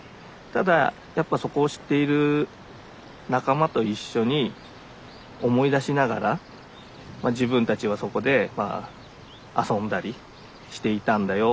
ただやっぱそこを知っている仲間と一緒に思い出しながらまあ自分たちはそこで遊んだりしていたんだよ